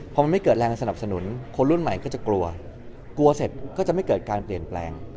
พอมันไม่เกิดแรงสนับสนุนคนรุ่นใหม่ก็จะกลัวกลัวเสร็จก็จะไม่เกิดการเปลี่ยนแปลง